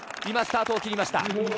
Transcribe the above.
今スタートを切りました。